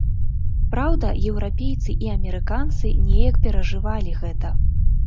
Праўда, еўрапейцы і амерыканцы неяк перажывалі гэта.